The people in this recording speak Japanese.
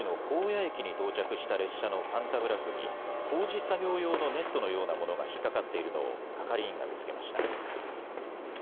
谷駅に到着した列車のパンタグラフに工事作業用のネットのようなものが引っ掛かっているのを係員が見つけました。